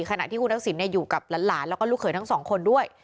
ขณะที่คุณทักษิณอยู่กับหลานแล้วก็ลูกเขยทั้งสองคนด้วย